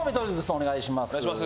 お願いします。